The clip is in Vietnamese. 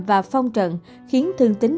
và phong trận khiến thương tính